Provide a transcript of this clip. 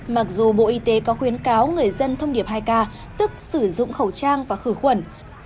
mặc dù bộ y tế có khuyến cáo người dân thông điệp hai k tức sử dụng khẩu trang và khử khuẩn